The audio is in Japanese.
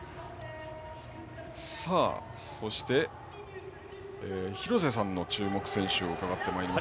そして、廣瀬さんの注目選手を伺っていきます。